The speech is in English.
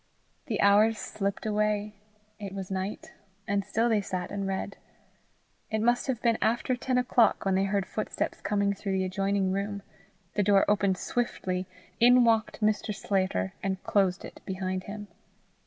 The hours slipped away; it was night; and still they sat and read. It must have been after ten o' clock when they heard footsteps coming through the adjoining room; the door opened swiftly; in walked Mr. Sclater, and closed it behind him.